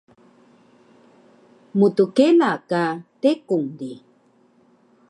mtkela ka tekung di